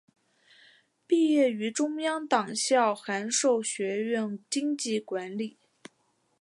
毕业于中央党校函授学院经济管理。